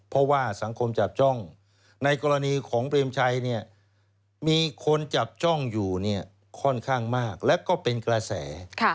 เพราะว่าสังคมจับจ้องในกรณีของเปรมชัยมีคนจับจ้องอยู่ค่อนข้างมากและก็เป็นกระแส